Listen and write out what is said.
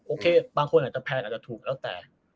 โอเคบางคนอาจจะแพงอาจจะถูกแล้วแต่